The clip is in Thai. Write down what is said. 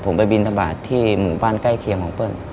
ผมไปบินทบาทที่หมู่บ้านใกล้เคียงของเปิ้ล